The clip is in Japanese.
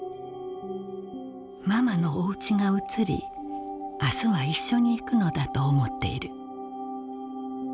「ママのお家が移り明日は一緒に行くのだと思っている」。